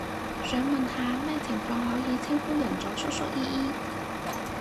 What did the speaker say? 想問下咩情況可以稱呼人做叔叔姨姨？